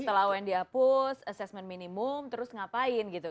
setelah un dihapus assessment minimum terus ngapain gitu